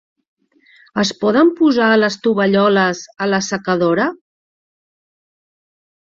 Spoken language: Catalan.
Es poden posar les tovalloles a l'assecadora?